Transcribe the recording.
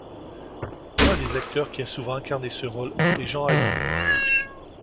Un des acteurs qui a souvent incarné ce rôle est Jean Hayet.